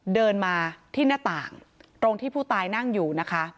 เดินมาที่หน้าต่างตรงที่ผู้ตายนั่งอยู่นะคะ